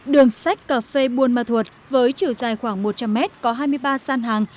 đường sách cà phê buôn ma thuật với chiều dài khoảng một trăm linh m có hai mươi ba sàn hàng